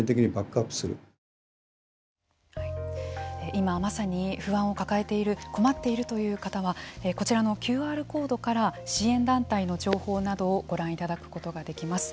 今まさに不安を抱えている困っているという方はこちらのＱＲコードから支援団体の情報などをご覧いただくことができます。